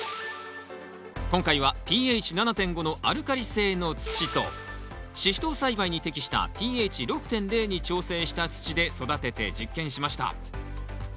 今回はｐＨ７．５のアルカリ性の土とシシトウ栽培に適したｐＨ６．０に調整した土で育てて実験しました。